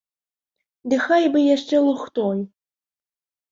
Ды хай бы яшчэ лухтой.